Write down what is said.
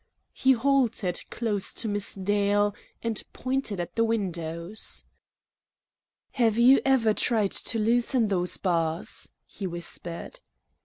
He halted close to Miss Dale and pointed at the windows. "Have you ever tried to loosen those bars?" he whispered.